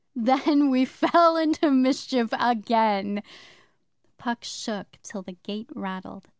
Then we fell into mischief again!' Puck shook till the gate rattled.